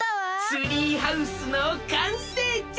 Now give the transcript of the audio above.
ツリーハウスのかんせいじゃ！